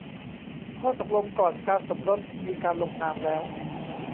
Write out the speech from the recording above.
ข้อตกลงก่อนการสมรสมีการลงนามแล้ว